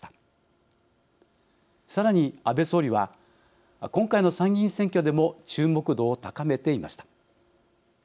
さらに安倍総理は今回の参議院選挙でも注目度を高めていました。